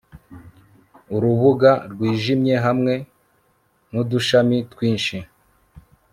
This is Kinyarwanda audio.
urubuga rwijimye hamwe nudushami twinshi